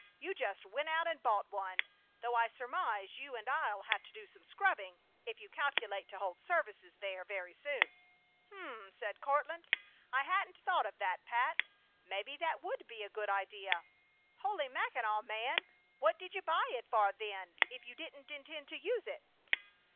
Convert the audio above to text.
You just went out and bought one; though I surmise you and I'll have to do some scrubbing if you calculate to hold services there very soon." "H'm!" said Courtland. "I hadn't thought of that, Pat! Maybe that would be a good idea!" "Holy Mackinaw, man! What did you buy it for, then, if you didn't intend to use it?